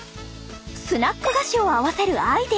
スナック菓子を合わせるアイデア！